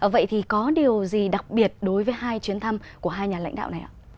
vậy thì có điều gì đặc biệt đối với hai chuyến thăm của hai nhà lãnh đạo này ạ